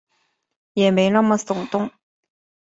也没那么耸动